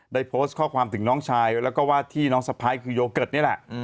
ได้โพสต์ข้อความถึงน้องชายแล้วก็วาดที่น้องสะพ้ายคือโยเกิร์ตนี่แหละ